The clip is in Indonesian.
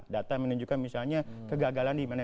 data menunjukkan misalnya kegagalan di mana